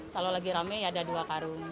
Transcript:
kalau lagi rame ya ada dua karung